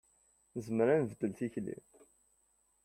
Nezmer ad nbeddel tikli.